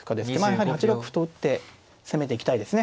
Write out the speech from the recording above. やはり８六歩と打って攻めていきたいですね